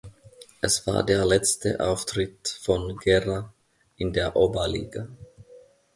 Es war der letzte Auftritt von Gera in der Oberliga.